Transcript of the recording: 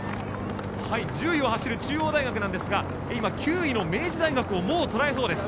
１０位を走る中央大学ですが今、９位の明治大学を捉えそうです。